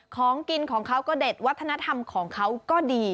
ของกินของเขาก็เด็ดวัฒนธรรมของเขาก็ดี